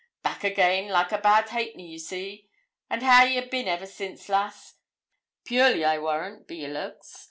'Back again, like a bad halfpenny, ye see. And how a' ye bin ever since, lass? Purely, I warrant, be your looks.